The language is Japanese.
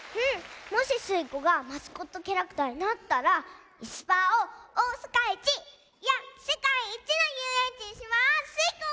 もしスイ子がマスコットキャラクターになったらいすパーをおおさかいちいやせかいいちのゆうえんちにしまスイ子！